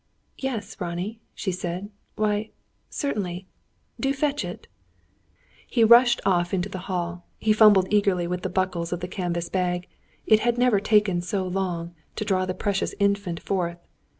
"Yes, Ronnie," she said. "Why, certainly. Do fetch it." He rushed off into the hall. He fumbled eagerly with the buckles of the canvas bag. It had never taken so long, to draw the precious Infant forth.